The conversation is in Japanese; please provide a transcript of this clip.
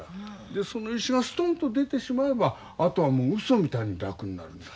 でその石がストンと出てしまえばあとはもううそみたいに楽になるんだ。